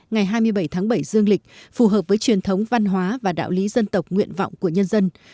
ngày hai mươi bảy tháng bảy dương lịch phù hợp với truyền thống văn hóa và đạo lý dân tộc nguyện vọng của nhân dân